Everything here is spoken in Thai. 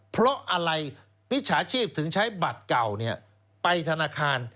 เพราะอะไรมิจฉาชีพถึงใช้บัตรเก่าไปธนาคาร